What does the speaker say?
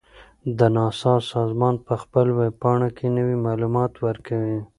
د ناسا سازمان په خپل ویب پاڼه کې نوي معلومات ورکوي.